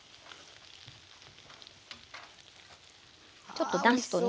ちょっとなすとね。